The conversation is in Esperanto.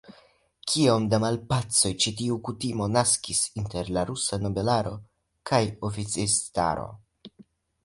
Kiom da malpacoj ĉi tiu kutimo naskis inter la rusa nobelaro kaj oficistaro!